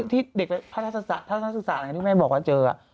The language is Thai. ที่เด็กทัศนศึกษาที่แม่บอกว่าเจอ